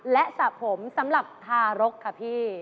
และสระผมสำหรับทารกค่ะพี่